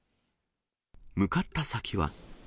向かった先は。